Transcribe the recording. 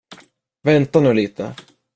Vänta nu lite!